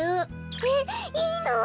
えっいいの？